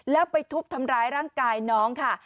แล้วไปทุบทำร้ายร่างกายน้องค่ะ